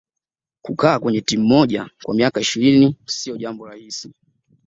kukaa kwenye timu moja kwa miaka ishirini siyo jambo rahisi